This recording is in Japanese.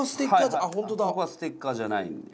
はいここはステッカーじゃないんで。